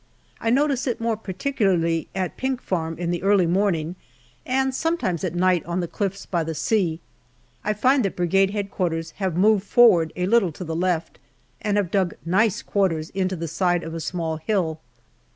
I notice it more particularly at Pink Farm in the early morning, and sometimes at night on the cliffs by the sea. I find that Brigade H.Q. have moved forward a little to the left, and have dug nice quarters into the side of a small hill.